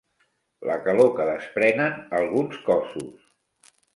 La calor que desprenen alguns cossos.